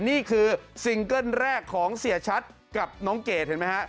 นี่คือซิงเกิ้ลแรกของเสียชัดกับน้องเกดเห็นไหมฮะ